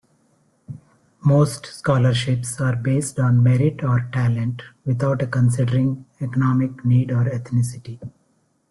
Most scholarships are based on merit or talent, without considering economic need or ethnicity.